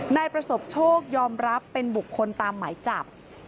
นายประสบโชคยอมรับเป็นบุคคลตามหมายจับ